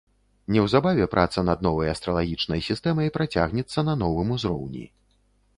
Неўзабаве праца над новай астралагічнай сістэмай працягнецца на новым узроўні.